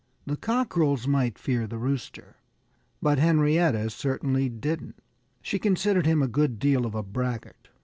The cockerels might fear the Rooster, but Henrietta certainly didn't. She considered him a good deal of a braggart.